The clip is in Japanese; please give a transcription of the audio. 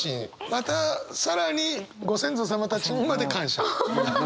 また更にご先祖様たちにまで感謝？